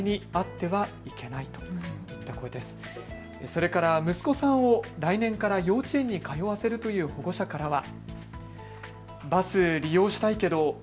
それから息子さんを来年から幼稚園に通わせるという保護者からは。